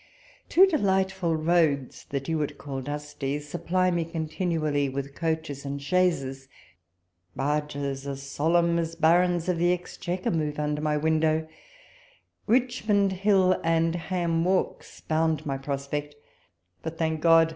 Two delightful roads, that you would call dusty, supply me continually with coaches and chaises : 54 walpole's letters. barges as solemn as Barons of the Exchequer move under my window ; Richmond Hill and Ham walks bound my prospect ; but, thank God